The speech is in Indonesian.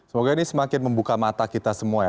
semoga ini semakin membuka mata kita semua ya